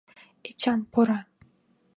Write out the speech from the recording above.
Эчан пура.